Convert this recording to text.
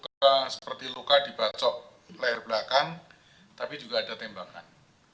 luka seperti luka di bacok leher belakang tapi juga ada tembakan